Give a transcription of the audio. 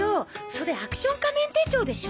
それアクション仮面手帳でしょ？